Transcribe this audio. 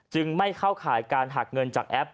ไม่เข้าข่ายการหักเงินจากแอป